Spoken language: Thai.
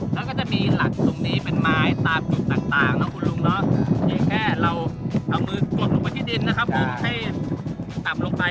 ก็จะมีหลักตรงนี้เป็นไม้ตามกลุ่มต่างเอามือกดตรงที่ดินให้ตับลงไป